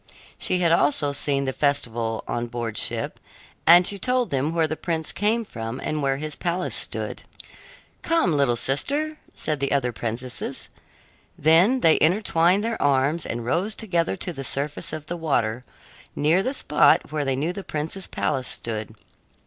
She had also seen the festival on board ship, and she told them where the prince came from and where his palace stood. "Come, little sister," said the other princesses. Then they entwined their arms and rose together to the surface of the water, near the spot where they knew the prince's palace stood.